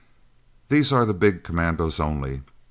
These are the big Commandos only.